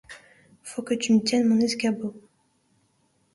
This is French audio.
Faut que tu me tiennes mon escabeau.